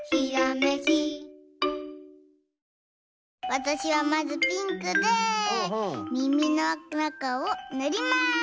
わたしはまずピンクでみみのなかをぬります。